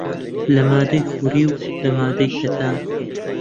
لە ماددەی خوری و لە ماددەی کەتان